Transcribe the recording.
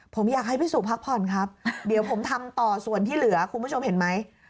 ผมอยากให้พี่สุพักผ่อนครับเดี๋ยวผมทำต่อส่วนที่เหลือคุณผู้ชมเห็นไหม